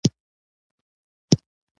دخبرو چوکاټ دی سم که